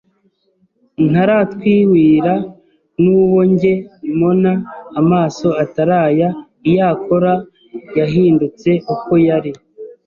Ntaratwiwira nuwo nge mona amaso atari aya iyakora yahindutse uko yar